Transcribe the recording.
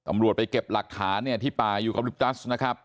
ตำรวจไปเก็บหลักฐานเนี่ยที่ป่าอยู่กับลิปตัสนะครับ